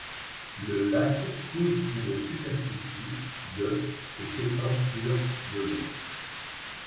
Le lac couvre une superficie de et s'étend sur de long.